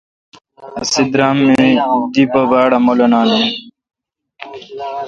اسی درام می دی پہ باڑ اؘمولانان این۔